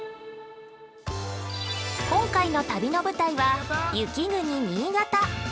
今回の旅の舞台は雪国、新潟。